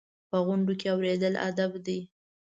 په غونډو کې اورېدل ادب دی.